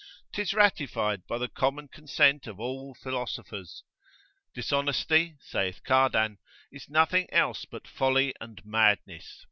'Tis ratified by the common consent of all philosophers. Dishonesty (saith Cardan) is nothing else but folly and madness.